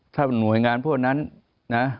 ถ้าหน่วยงานพวกนั้นนะ